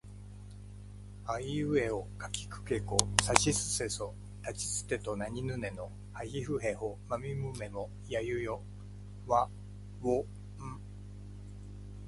あいうえおかきくけこさしすせそたちつてとなにぬねのはひふへほまみむめもやゆよわをん